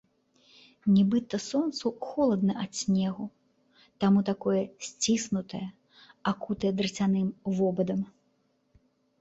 Нібыта сонцу холадна ад снегу, таму такое сціснутае, акутае драцяным вобадам.